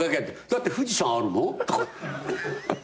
「だって富士山あるもん」とか。